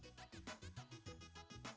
udah sampai ke samping